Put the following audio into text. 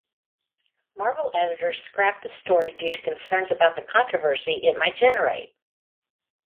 Marvel editors scrapped the story due to concerns about the controversy it might generate.